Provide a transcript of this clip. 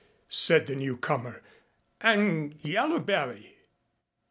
said the newcomer. "And Yaller belly